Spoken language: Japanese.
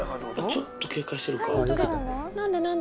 ちょっと警戒してるか。